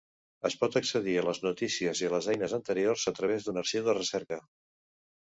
Es pot accedir a les notícies i les eines anteriors a través d'un arxiu de recerca.